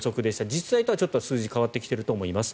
実際とはちょっと数字が変わってきていると思います。